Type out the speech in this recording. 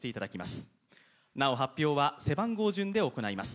発表は背番号順で行います。